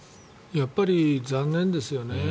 やっぱり残念ですよね。